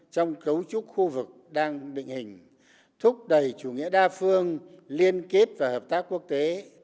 trong cấu trúc khu vực đang định hình thúc đẩy chủ nghĩa đa phương liên kết và hợp tác quốc tế